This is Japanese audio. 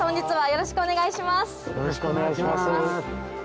よろしくお願いします。